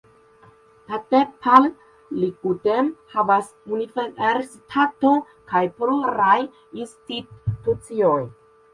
Tadepalligudem havas universitaton kaj plurajn instituciojn.